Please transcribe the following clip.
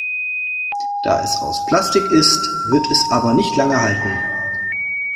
Da es aus Plastik ist, wird es aber nicht lange halten.